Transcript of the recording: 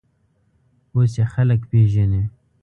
اوس یې خلک پېژني.